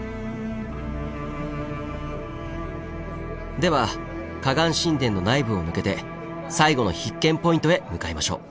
では河岸神殿の内部を抜けて最後の必見ポイントへ向かいましょう。